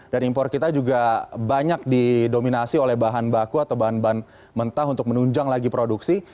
dan impor kita juga banyak didominasi oleh bahan baku atau bahan bahan mentah untuk menunjang lagi produksi